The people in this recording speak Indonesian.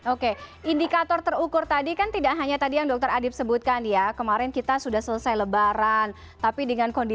oke indikator terukur tadi kan tidak hanya tadi yang dokter adib sebutkan ya kemarin kita sudah selesai lebaran tapi dengan kondisi yang lebih tinggi kita harus balik mudik